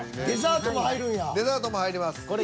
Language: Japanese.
デザートも入ります。